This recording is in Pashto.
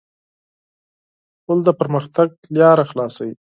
پُل د پرمختګ لاره خلاصوي.